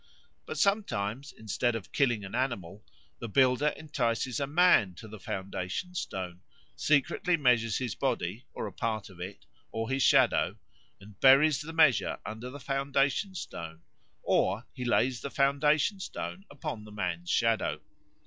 But sometimes, instead of killing an animal, the builder entices a man to the foundation stone, secretly measures his body, or a part of it, or his shadow, and buries the measure under the foundation stone; or he lays the foundation stone upon the man's shadow.